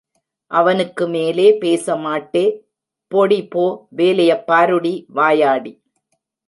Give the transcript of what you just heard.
அவனுக்கு மேலே பேசமாட்டே போடிபோ, வேலையைப் பாருடி, வாயாடி.